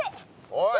おい。